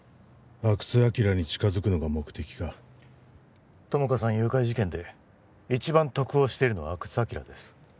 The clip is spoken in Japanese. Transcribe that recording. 阿久津晃に近づくのが目的か友果さん誘拐事件で一番得をしてるのは阿久津晃です